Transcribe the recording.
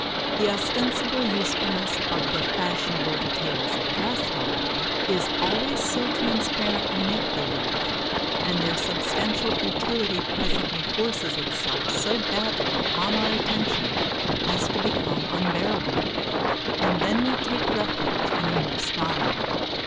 The ostensible usefulness of the fashionable details of dress, however, is always so transparent a make believe, and their substantial futility presently forces itself so baldly upon our attention as to become unbearable, and then we take refuge in a new style.